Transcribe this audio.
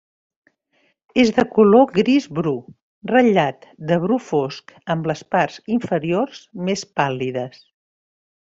És de color gris bru, ratllat de bru fosc amb les parts inferiors més pàl·lides.